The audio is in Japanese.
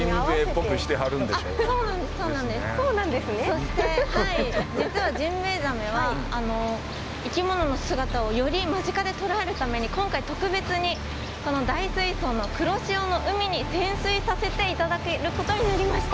そして実はジンベエザメは生き物の姿をより間近で捉えるために今回特別にこの大水槽の「黒潮の海」に潜水させていただけることになりました。